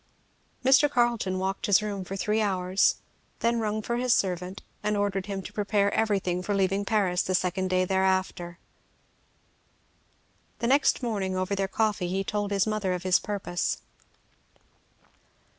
Mr. Carleton walked his room for three hours; then rung for his servant and ordered him to prepare everything for leaving Paris the second day thereafter. The next morning over their coffee he told his mother of his purpose.